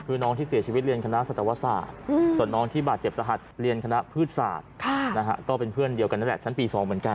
คือน้องที่เสียชีวิตเรียนคณะจะจะวัดสาวน้องที่บาดเจ็บสะหาดเรียนคณะภื้ดสาดค่ะนะคะก็เป็นเพื่อนเดียวกันน่ะ